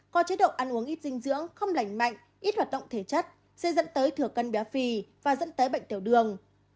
có chế độ ăn uống ít dinh dưỡng không lành mạnh ít hoạt động thể chất sẽ dẫn tới thừa cân béo phì và dẫn tới bệnh tiểu đường